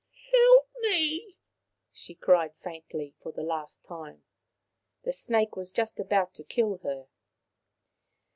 " Help me," she cried faintly, for the last time. The snake was just about to kill her.